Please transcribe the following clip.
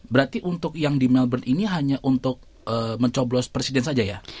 berarti untuk yang di melbourne ini hanya untuk mencoblos presiden saja ya